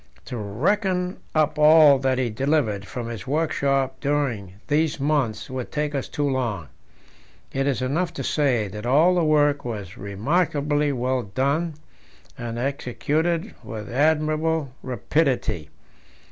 To reckon up all that he delivered from his workshop during these months would take us too long; it is enough to say that all the work was remarkably well done, and executed with admirable rapidity.